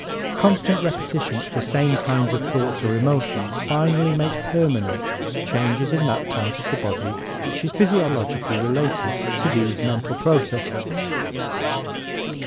Constant repetition of the same kinds of thoughts or emotions finally makes permanent changes in that part of the body which is physiologically related to these mental processes.